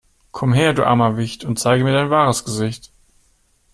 Komm her, du armer Wicht, und zeige mir dein wahres Gesicht!